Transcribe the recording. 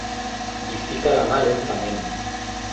Hi fica la mà lentament.